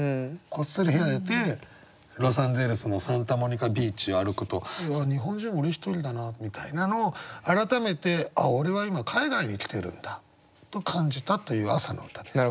こっそり部屋出てロサンゼルスのサンタモニカビーチを歩くと「日本人俺１人だな」みたいなのを改めて「俺は今海外に来てるんだ」と感じたという朝の歌です。